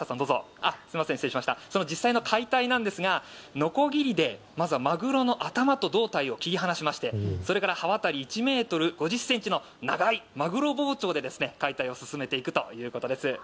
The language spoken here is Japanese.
その実際の解体なんですがのこぎりでまずはマグロの頭と胴体を切り離しましてそれから刃渡り１ｍ５０ｃｍの長いマグロ包丁で解体を進めていくということです。